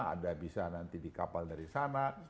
ada bisa nanti di kapal dari sana